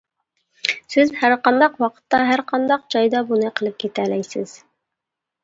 سىز ھەرقانداق ۋاقىتتا، ھەرقانداق جايدا بۇنى قىلىپ كېتەلەيسىز.